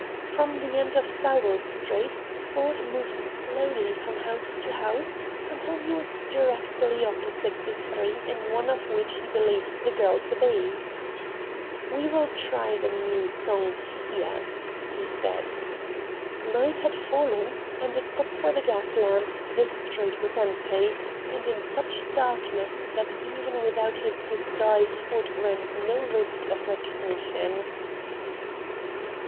From the end of Sowell Street Ford moved slowly from house to house until he was directly opposite the three in one of which he believed the girl to be. "We will try the NEW songs here," he said. Night had fallen, and, except for the gas lamps, the street was empty, and in such darkness that even without his disguise Ford ran no risk of recognition.